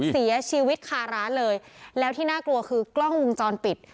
เสียชีวิตคาร้านเลยแล้วที่น่ากลัวคือกล้องวงจรปิด